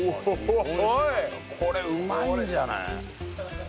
これうまいんじゃない？